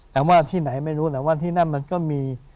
แต่ว่าที่ไหนไม่รู้แหละว่าที่นั่นมันก็มี